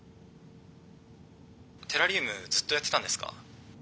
テラリウムずっとやってたんですか？